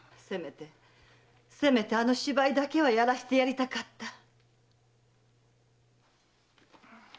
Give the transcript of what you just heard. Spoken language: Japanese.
せめてせめてあの芝居だけは演らせてやりたかった！